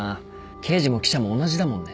刑事も記者も同じだもんね。